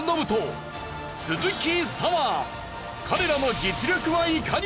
彼らの実力はいかに！？